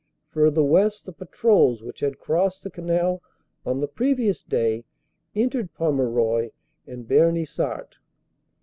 Further west, the patrols which had crossed the Canal on the previous day entered Pommerceuil and Bernissart.